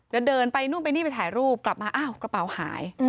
แล้วเดินไปนู่นไปนี่ไปถ่ายรูปกลับมาอ้าวกระเป๋าหาย